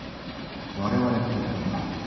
「我々」って言ったんだ。